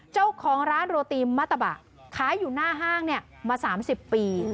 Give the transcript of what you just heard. เจ้าของร้านโรตีมมะตะบะขายอยู่หน้าห้างมา๓๐ปี